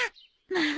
まあ！